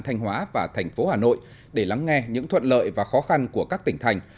thanh hóa và thành phố hà nội để lắng nghe những thuận lợi và khó khăn của các tỉnh thành